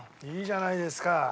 いいじゃないですか。